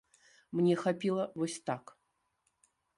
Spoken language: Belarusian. Мне хапіла вось так.